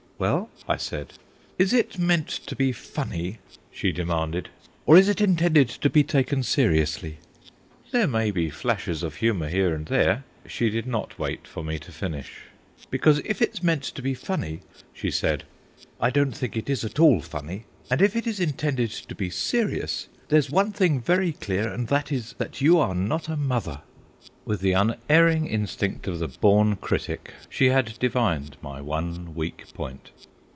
"Well?" I said. "Is it meant to be funny," she demanded, "or is it intended to be taken seriously?" "There may be flashes of humour here and there—" She did not wait for me to finish. "Because if it's meant to be funny," she said, "I don't think it is at all funny. And if it is intended to be serious, there's one thing very clear, and that is that you are not a mother." With the unerring instinct of the born critic she had divined my one weak point.